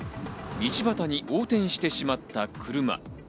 道端に横転してしまった車。